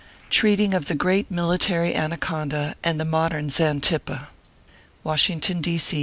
TREATING OF THE GREAT MILITARY ANACONDA, AND THE MODERN XANTIPPE. WASHINGTON, D. C.